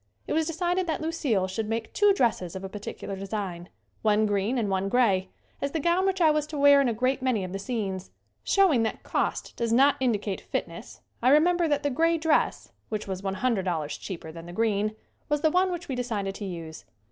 It was decided that Lucille should make two dresses of a particular design, one green and one gray, as the gown which I was to wear in a great many of the scenes. Showing that cost does not indicate fitness I remember that the gray dress which was $100 cheaper than the green was the one which we decided to use.